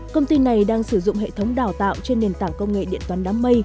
công ty này đang sử dụng hệ thống đào tạo trên nền tảng công nghệ điện toán đám mây